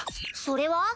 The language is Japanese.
それは？